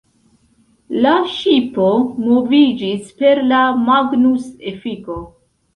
La ŝipo moviĝis per la Magnus-efiko.